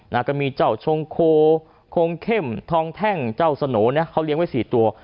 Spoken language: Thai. นะก็มีเจ้าชงโคโคงเข้มทองแท่งเจ้าสโหน่นะเขาเลี้ยงไว้สี่ตัว